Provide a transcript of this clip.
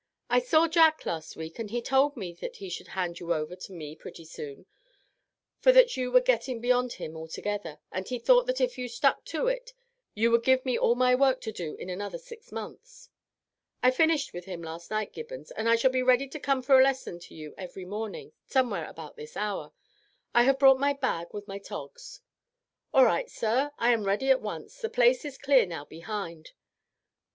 "I saw Jack last week, and he told me that he should hand you over to me pretty soon, for that you were getting beyond him altogether, and he thought that if you stuck to it you would give me all my work to do in another six months." "I finished with him last night, Gibbons, and I shall be ready to come for a lesson to you every morning, somewhere about this hour. I have brought my bag with my togs." "All right, sir, I am ready at once; the place is clear now behind.